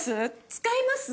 使います？